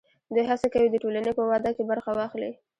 دوی هڅه کوي د ټولنې په وده کې برخه واخلي.